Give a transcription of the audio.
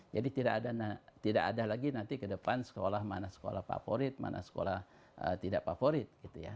jadi tidak ada lagi nanti ke depan sekolah mana sekolah favorit mana sekolah tidak favorit